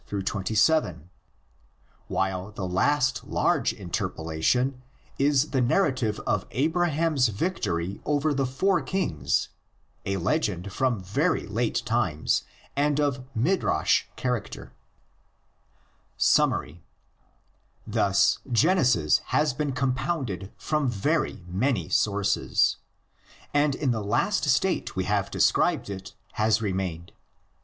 8 27; while the last large interpolation is the narrative of Abra ham's victory over the four kings, a legend from very late times, and of "midrash" character. CODEX AND FINAL REDACTION. 159 SUMMARY. Thus Genesis has been compounded from very many sources. And in the last state we have described it has remained.